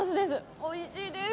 おいしいです。